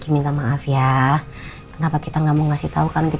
aku orang baru fungs knights jadi hal sekarang ketika kita dengan ganti itu women negativity